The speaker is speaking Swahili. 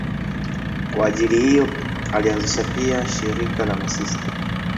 Kwa ajili hiyo alianzisha pia shirika la masista.